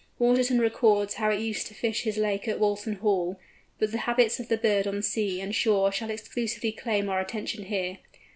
Waterton records how it used to visit his lake at Walton Hall; but the habits of the bird on sea and shore shall exclusively claim our attention here.